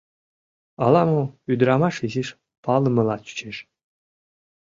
Ала-мо ӱдрамаш изиш палымыла чучеш.